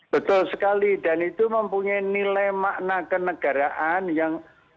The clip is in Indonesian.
betul sekali dan itu mempunyai nilai makna kenegaraan yang